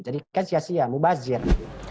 jadi kan sia sia mubazir